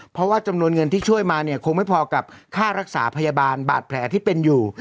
เพราะว่าจำนวนเงินที่ช่วยมาเนี่ยคงไม่พอกับค่ารักษาพยาบาลบาดแผลที่เป็นอยู่